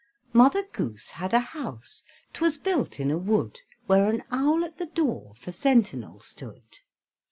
Mother Goose had a house, 'T was built in a wood, Where an owl at the door For sentinel stood.